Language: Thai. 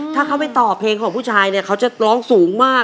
ถ้าเขาไปต่อเพลงของผู้ชายเนี่ยเขาจะร้องสูงมาก